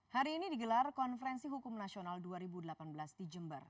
hari ini digelar konferensi hukum nasional dua ribu delapan belas di jember